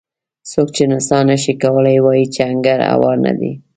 څوک چې نڅا نه شي کولی وایي چې انګړ هوار نه دی.